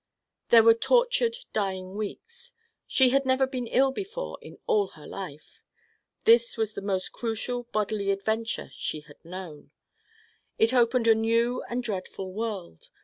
There were tortured dying weeks. She had never been ill before in all her life. This was the most crucial bodily adventure she had known. It opened a new and dreadful world.